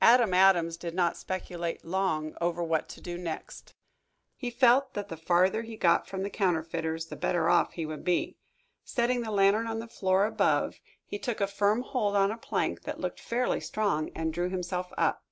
Adam Adams did not speculate long over what to do next. He felt that the farther he got from the counterfeiters the better off he would be. Setting the lantern on the floor above, he took a firm hold on a plank that looked fairly strong, and drew himself up.